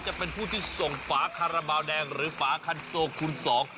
จะเป็นผู้ที่ส่งฝาคาราบาลแดงหรือฝาคันโซคูณสอง